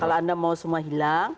kalau anda mau semua hilang